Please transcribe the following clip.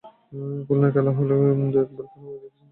খুলনায় খেলা হলে তো কথাই নেই, দু-একবার খেলা দেখেছেন মিরপুরে গিয়েও।